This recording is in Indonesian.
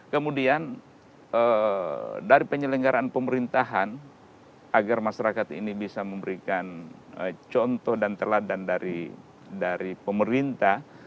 kemudian dari penyelenggaraan pemerintahan agar masyarakat ini bisa memberikan contoh dan teladan dari pemerintah